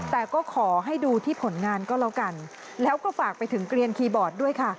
แต่ก็ขอให้ดูที่ผลงานก็แล้วกันแล้วก็ฝากไปถึงเกลียนคีย์บอร์ดด้วยค่ะ